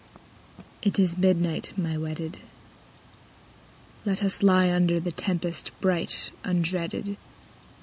It is midnight, my wedded ; Let us lie under The tempest bright undreaded.